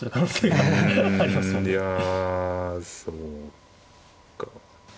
うんいやそうか。